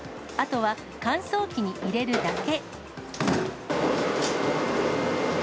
あとは乾燥機に入れるだけ。